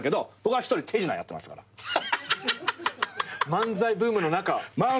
漫才ブームの中。